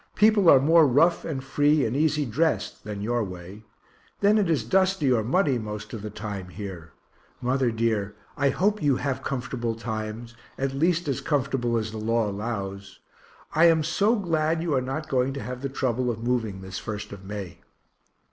People are more rough and free and easy drest than your way. Then it is dusty or muddy most of the time here. Mother dear, I hope you have comfortable times at least as comfortable as the law allows. I am so glad you are not going to have the trouble of moving this 1st of May.